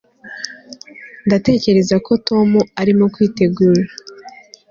ndatekereza ko tom arimo kwitegura